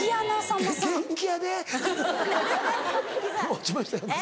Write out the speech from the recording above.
落ちましたよ。